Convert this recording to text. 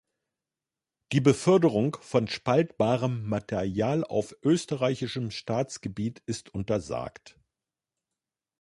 Die Beförderung von spaltbarem Material auf österreichischem Staatsgebiet ist untersagt.